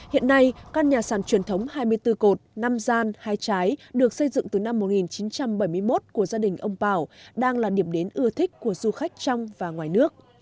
hiện nay căn nhà sàn truyền thống hai mươi bốn cột năm gian hai trái được xây dựng từ năm một nghìn chín trăm bảy mươi một của gia đình ông bảo đang là điểm đến ưa thích của du khách trong và ngoài nước